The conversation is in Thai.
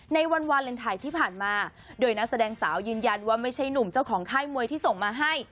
ในวันวาเลนไทยที่ผ่านมาโดยนักแสดงสาวยืนยันว่าไม่ใช่หนุ่มเจ้าของค่ายมวยที่ส่งมาให้